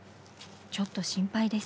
ちょっと心配です。